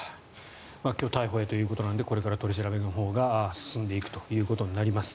今日逮捕へということなのでこれから取り調べが進んでいくことになります。